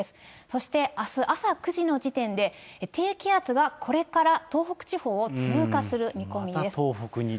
そしてあす朝９時の時点で、低気圧がこれから東北地方を通過する見込みです。